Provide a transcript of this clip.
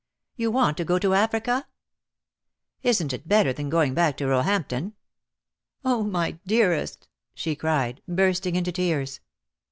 "You want to go to Africa?" "Isn't it better than going back to Roehamp ton?" "Oh, my dearest," she cried, bursting into tears.